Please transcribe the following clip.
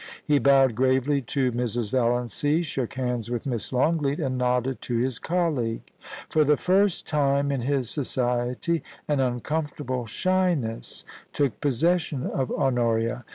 He bowed gravely to Mrs. Valiancy, shook hands with Miss Longleat, and nodded to his colleague. For the first time in his society an uncomfortable shyness took possession of Honoria.